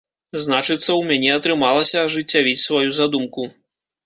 Значыцца, у мяне атрымалася ажыццявіць сваю задумку.